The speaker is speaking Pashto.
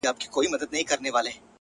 مــروره در څه نـه يمـه ه،